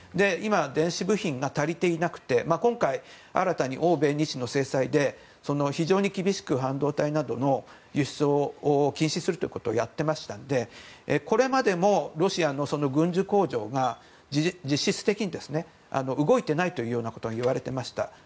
今、電子部品が足りていなくて今回、新たに欧米日の制裁で非常に厳しく半導体などの輸出を禁止することをやってましたのでこれまでもロシアの軍需工場が実質的に動いていないというようなことをいわれていました。